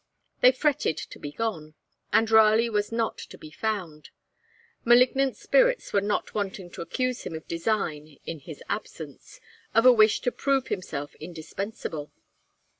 They fretted to be gone, and Raleigh was not to be found; malignant spirits were not wanting to accuse him of design in his absence, of a wish to prove himself indispensable.